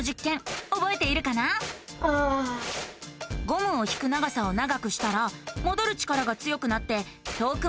ゴムを引く長さを長くしたらもどる力が強くなって遠くまでうごいたよね。